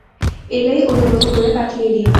এলেই অনুগ্রহ করে পাঠিয়ে দিও।